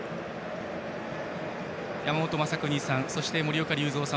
山本昌邦さん、森岡隆三さん